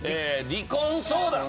離婚相談。